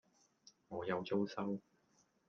我有租收